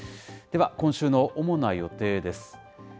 では、今週の主な予定です。